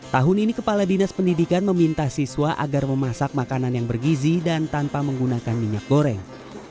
tahun ini kepala dinas pendidikan meminta siswa agar memasak makanan yang bergizi dan tanpa menggunakan minyak goreng